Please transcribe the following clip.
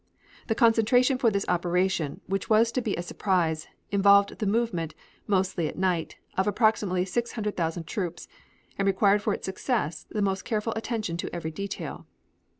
The concentration for this operation, which was to be a surprise, involved the movement, mostly at night, of approximately 600,000 troops, and required for its success the most careful attention to every detail.